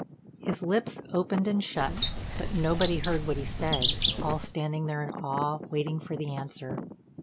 His lips opened and shut, but nobody heard what he said, all standing there in awe waiting for the answer.